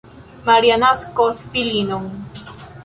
Maria naskos filinon.